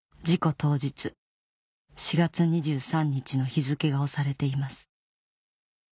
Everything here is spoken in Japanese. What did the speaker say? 当日４月２３日の日付が押されています